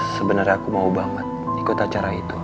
sebenarnya aku mau banget ikut acara itu